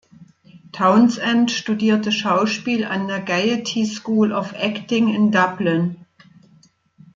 Townsend studierte Schauspiel an der "Gaiety School of Acting" in Dublin.